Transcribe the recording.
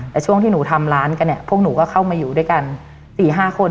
แต่ช่วงที่หนูทำร้านกันเนี่ยพวกหนูก็เข้ามาอยู่ด้วยกัน๔๕คน